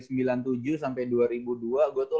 sembilan puluh tujuh sampai dua ribu dua gue tuh